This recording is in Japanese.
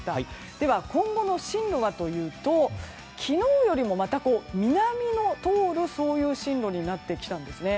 では、今後の進路はというと昨日よりも南を通る進路になってきたんですね。